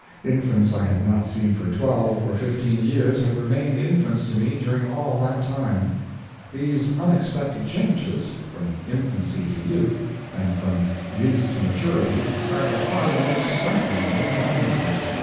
Infants I had not seen for twelve or fifteen years had remained infants to me during all that time. These unexpected changes, from infancy to youth, and from youth to maturity, are by far the most startling things I meet with.